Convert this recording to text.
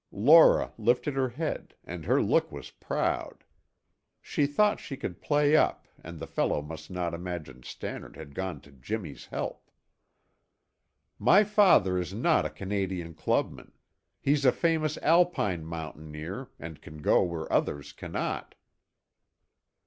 Laura lifted her head and her look was proud. She thought she could play up and the fellow must not imagine Stannard had gone to Jimmy's help. "My father is not a Canadian clubman. He's a famous Alpine mountaineer and can go where others cannot."